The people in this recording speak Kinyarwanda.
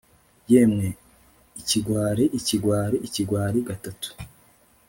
Yemwe ikigwari ikigwari ikigwari gatatu